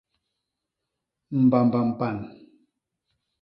Mbamba mpan.